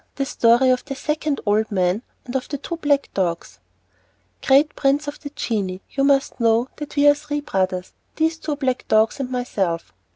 The Story of the Second Old Man, and of the Two Black Dogs Great prince of the genii, you must know that we are three brothers these two black dogs and myself.